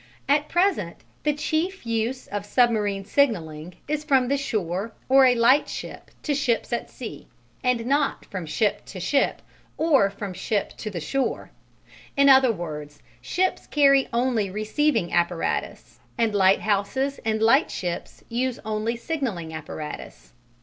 At present the chief use of submarine signalling is from the shore or a lightship to ships at sea, and not from ship to ship or from ship to the shore: in other words ships carry only receiving apparatus, and lighthouses and lightships use only signalling apparatus.